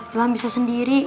ilham bisa sendiri